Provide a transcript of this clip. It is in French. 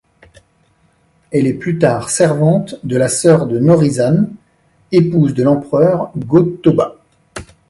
Elle est plus tard servante de la sœur de Norizane, épouse de l'empereur Go-Toba.